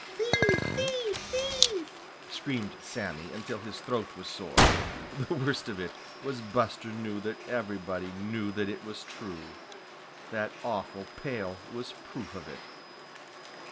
"Thief, thief, thief!" screamed Sammy until his throat was sore. The worst of it was Buster knew that everybody knew that it was true. That awful pail was proof of it.